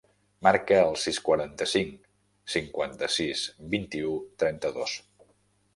Marca el sis, quaranta-cinc, cinquanta-sis, vint-i-u, trenta-dos.